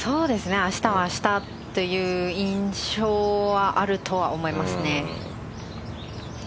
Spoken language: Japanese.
明日は明日という印象はあると思いますね。